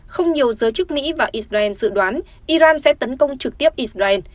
không nhiều giới chức mỹ và israel dự đoán iran sẽ tấn công trực tiếp israel